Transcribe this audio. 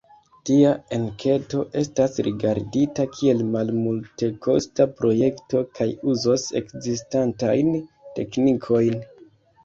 Tia enketo estas rigardita kiel malmultekosta projekto kaj uzos ekzistantajn teknikojn.